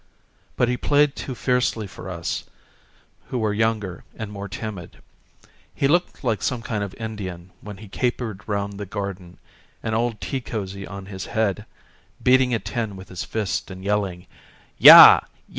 But he played too fiercely for us who were younger and more timid. He looked like some kind of an Indian when he capered round the garden, an old tea cosy on his head, beating a tin with his fist and yelling: "Ya!